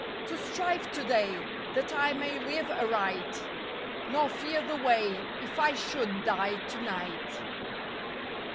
To strive today That I may live aright. Nor fear the way If I shohld die tonight.